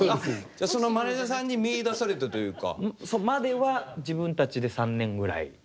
じゃあそのマネージャーさんに見いだされてというか。